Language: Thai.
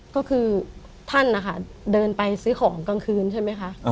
ก็คือท่านนะคะเดินไปซื้อของกลางคืนใช่ไหมคะ